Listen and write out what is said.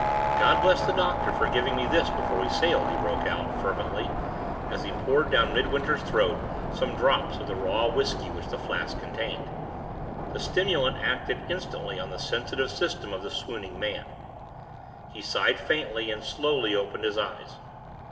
"God bless the doctor for giving me this before we sailed!" he broke out, fervently, as he poured down Midwinter's throat some drops of the raw whisky which the flask contained. The stimulant acted instantly on the sensitive system of the swooning man. He sighed faintly, and slowly opened his eyes.